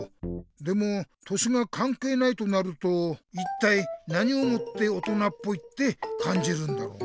でも年がかんけいないとなると一体何をもって「大人っぽい」ってかんじるんだろうね？